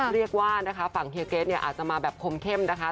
เรียกว่านะคะฝั่งเฮียเกรทเนี่ยอาจจะมาแบบคมเข้มนะคะ